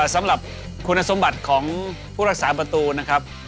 สำหรับคุณสมบัติของผู้รักษาประตูนะครับ